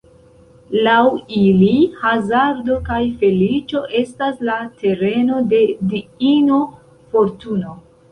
Laŭ ili hazardo kaj feliĉo estas la tereno de diino Fortuno.